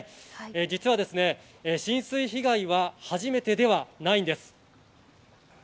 実は浸水被害は初めてではないんです。